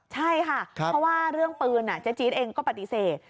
ใช่ค่ะเพราะว่าเรื่องปืนเจ๊จี๊ดเองก็ปฏิเสธ